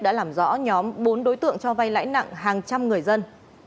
đã làm rõ nhóm bốn đối tượng cho vay lãi nặng hàng trăm người dân